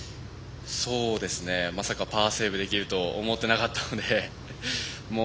まさかパーセーブできると思っていなかったので。